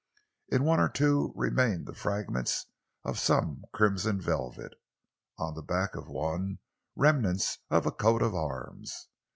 On one or two remained the fragments of some crimson velvet, on the back of one, remnants of a coat of arms!